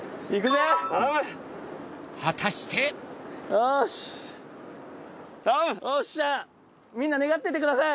よっしゃみんな願っててください。